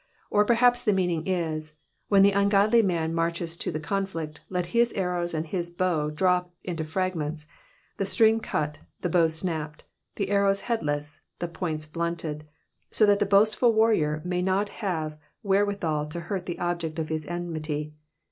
Or perhaps the meaning is, when the ungodly man marches to the conflict, let his arrows and his bow drop into fragments, the string cut, the bow snapped, the arrows headless, the points blunted ; so that the boastful warrior may not have wherewithal to hurt the object of his enmity.